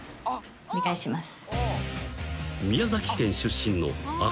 お願いします」